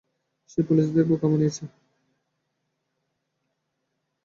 সে পুলিশদের বোকা বানিয়েছে।